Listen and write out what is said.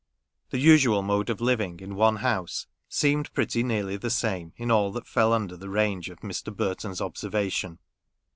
The usual mode of living in one house seemed pretty nearly the same in all that fell under the range of Mr. Burton's observation.